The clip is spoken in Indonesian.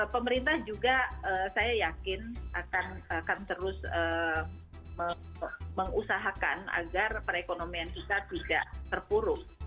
pemerintah juga saya yakin akan terus mengusahakan agar perekonomian kita tidak terpuruk